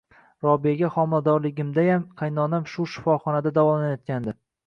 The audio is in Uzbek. Robiyaga homiladorligimdayam qaynonam shu shifoxonada davolanayotgandi